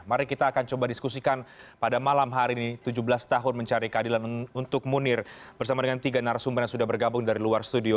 mari kita akan coba diskusikan pada malam hari ini tujuh belas tahun mencari keadilan untuk munir bersama dengan tiga narasumber yang sudah bergabung dari luar studio